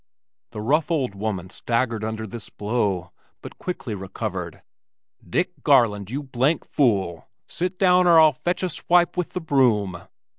The rough old woman staggered under this blow, but quickly recovered. "Dick Garland, you blank fool. Sit down, or I'll fetch you a swipe with the broom."